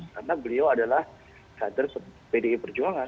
karena beliau adalah kader pdi perjuangan